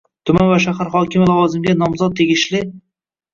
Tuman va shahar hokimi lavozimiga nomzod tegishli